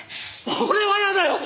俺は嫌だよ！